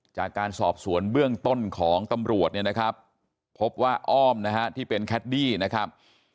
จากการสอบสวนเบื้องต้นของตำรวจเนี่ยนะครับพบว่าอ้อมนะฮะที่เป็นแคดดี้นะครับ